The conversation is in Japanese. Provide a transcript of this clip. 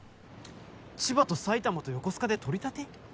千葉と埼玉と横須賀で取り立て？